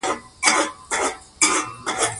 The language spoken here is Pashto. فلالوژي مانا د پوهي سره مینه درلودل دي.